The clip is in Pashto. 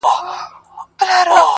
نه یې له تیارې نه له رڼا سره٫